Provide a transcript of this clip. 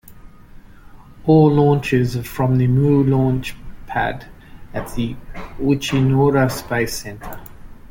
All launches are from the Mu Launch Pad at the Uchinoura Space Center.